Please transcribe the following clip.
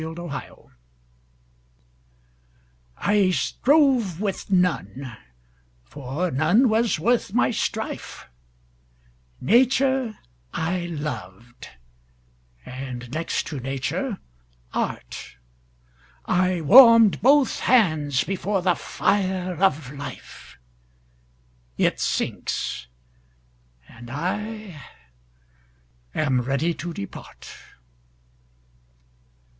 9 Autoplay I strove with none, for none was worth my strife: Nature I loved, and, next to Nature, Art: I warm'd both hands before the fire of Life; It sinks; and I am ready to depart.